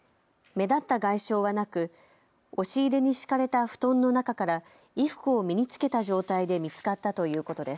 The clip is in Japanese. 目立った外傷はなく、押し入れに敷かれた布団の中から衣服を身に着けた状態で見つかったということです。